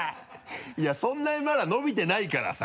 いやそんなにまだ伸びてないからさ。